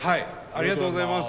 ありがとうございます。